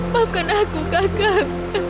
maafkan aku kakak